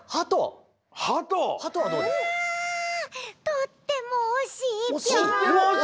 とってもおしい？